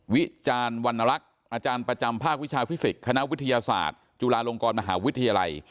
วิจารณ์วรรณรักษ์อาจารย์ประจำภาควิชาฟิสิกส์คณะวิทยาศาสตร์จุฬาลงกรมหาวิทยาลัย